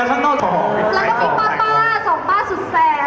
สองป้าสุดแสน